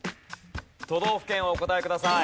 都道府県をお答えください。